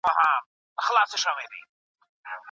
زده کوونکی زده کړه کوي او دا تعليم بلل کېږي.